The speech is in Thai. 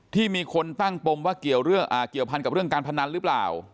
ที่มีคนตั้งปมว่าเกี่ยวพันกับเรื่องการพนันหรือเปล่า